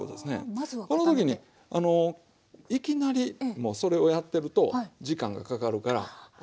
この時にいきなりそれをやってると時間がかかるから。